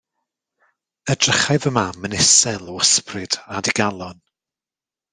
Edrychai fy mam yn isel o ysbryd a digalon.